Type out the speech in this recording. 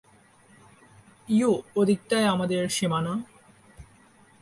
You, ওদিকটায় আমাদের সীমানা।